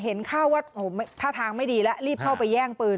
เห็นข้าวว่าท่าทางไม่ดีแล้วรีบเข้าไปแย่งปืน